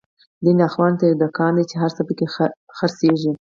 دين اخوان ته يو دکان دی، چی هر څه په کی خر څيږی